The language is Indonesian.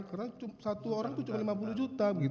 karena satu orang itu cuma lima puluh juta